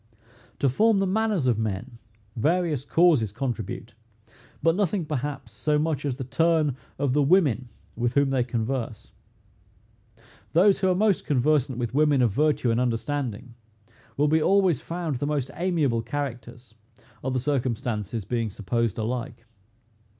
To form the manners of men, various causes contribute; but nothing, perhaps, so much as the turn of the women with whom they converse. Those who are most conversant with women of virtue and understanding, will be always found the most amiable characters, other circumstances being supposed alike.